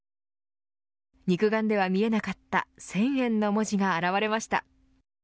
肉眼では見えなかった１０００円の文字が現われました。